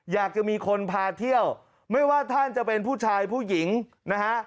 อยากจะมีคนพาเที่ยวไม่ว่าท่านจะเป็นผู้ชายผู้หญิงนะฮะ